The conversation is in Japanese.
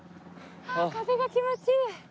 ああ風が気持ちいい。